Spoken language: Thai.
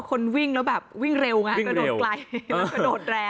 คนวิ่งแล้วแบบวิ่งเร็วไงกระโดดไกลแล้วกระโดดแรง